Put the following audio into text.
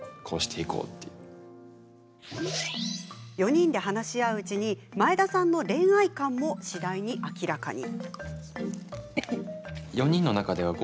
４人で話し合ううちに前田さんの恋愛観も次第に明らかに。